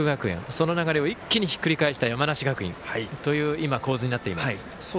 その流れを一気にひっくり返した山梨学院という構図になっています。